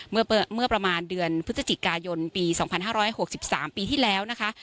เมื่อประมาณเดือนพฤศจิกายนปี๒๕๖๓ปีที่แล้วนะคะ